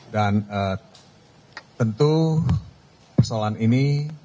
dan tentu persoalan ini